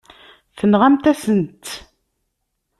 Tenɣamt-asen-tt.